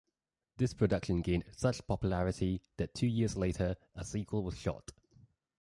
This production gained such popularity, that two years later a sequel was shot.